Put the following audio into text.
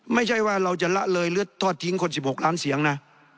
ไม่ใช่ว่าเราจะละเลยเลือดทอดทิ้งคน๑๖ล้านเสียงนะ